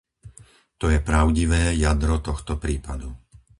To je pravdivé jadro tohto prípadu.